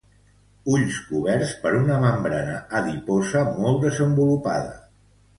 Ulls coberts per una membrana adiposa molt desenvolupada.